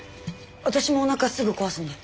私もおなかすぐ壊すんで。